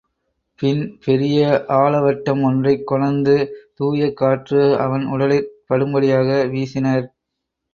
பின் பெரிய ஆலவட்டம் ஒன்றைக் கொணர்ந்து தூயகாற்று அவன் உடலிற் படும்படியாக வீசினர்.